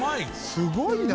すごいな。